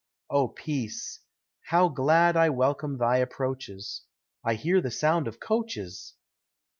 Oh Peace! how glad I welcome thy approaches I hear the sound of coaches.